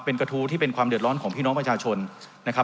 เป็นกระทู้ที่เป็นความเดือดร้อนของพี่น้องประชาชนนะครับ